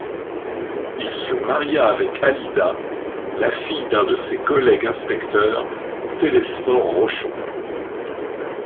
Il se maria avec Alida, la fille d'un de ses collègues inspecteurs, Télesphore Rochon.